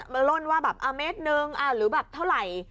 ล่นว่าแบบเมตรหนึ่งหรือแบบเท่าไหร่